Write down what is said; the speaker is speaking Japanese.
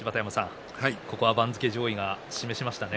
ここは番付上位が示しましたね。